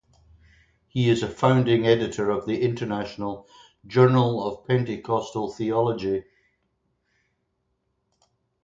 He is a founding editor of the international "Journal of Pentecostal Theology".